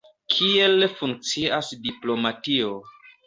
Kiel funkcias diplomatio.